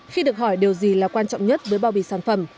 khi được hỏi điều gì là quan trọng nhất với bao bì sản phẩm